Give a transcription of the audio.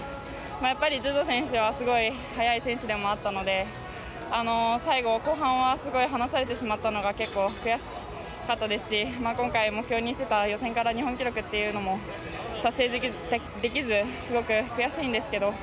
やっぱりジョジョ選手は速い選手であったので最後、後半はすごい離されてしまったのが結構、悔しかったですし今回、目標にしていた予選から日本記録というのも達成できずすごく悔しいんですけど。